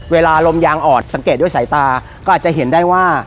เวลาลมยางออดสังเกตด้วยสายตาก็อาจจะเห็นได้ว่า